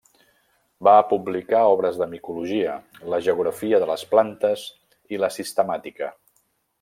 Va publicar obres de micologia, la geografia de les plantes i la sistemàtica.